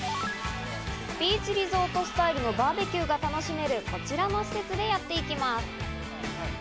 ビーチリゾートスタイルのバーベキューが楽しめる、こちらの施設にやってきます。